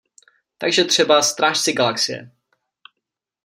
Takže třeba Strážci galaxie.